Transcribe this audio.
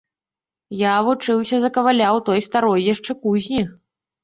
Я вучыўся за каваля ў той старой яшчэ кузні.